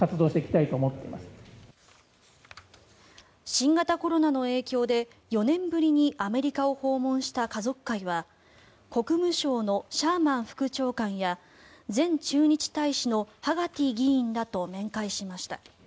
新型コロナの影響で４年ぶりにアメリカを訪問した家族会は国務省のシャーマン副長官や前駐日大使のハガティ議員らと面会しました。